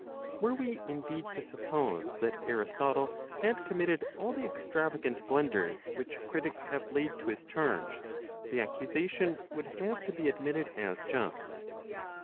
Were we indeed to suppose that Aristotle had committed all the extravagant blunders which critics have laid to his charge, the accusation would have to be admitted as just.